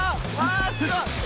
あすごい！